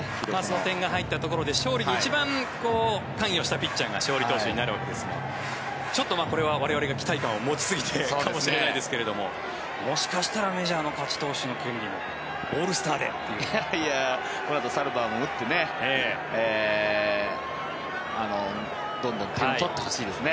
点が入ったところで勝利に一番関与したピッチャーが勝利投手になるわけですがちょっとこれは我々が期待感を持ちすぎているかもしれないですがもしかしたらメジャーの勝ち投手の権利もこのあとも打ってどんどん点を取ってほしいですね。